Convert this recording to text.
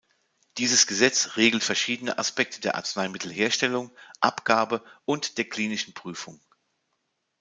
Dieses Gesetz regelt verschiedene Aspekte der Arzneimittelherstellung, Abgabe und der klinischen Prüfung.